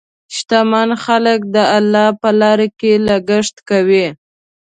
شتمن خلک د الله په لاره کې لګښت کوي.